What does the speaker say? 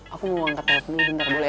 aku mau angkat telat dulu bentar boleh ya